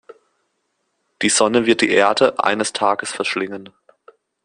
Die Sonne wird die Erde eines Tages verschlingen.